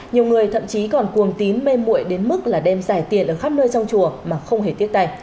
nhiều người thậm chí còn cuồng tín mê mụi đến mức là đem giải tiền ở khắp nơi trong chùa mà không hề tiếc tay